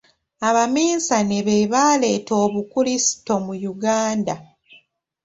Abaminsane be baaleeta Obukrisito mu Uganda.